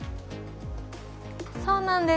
そうなんです。